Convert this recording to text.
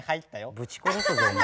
ぶち殺すぞお前。